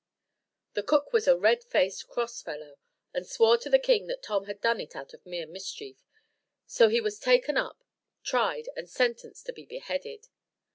The cook was a red faced, cross fellow, and swore to the king that Tom had done it out of mere mischief; so he was taken up, tried, and sentenced to be beheaded.